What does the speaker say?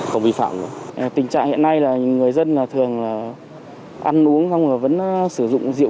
phần trăm người chạy chứ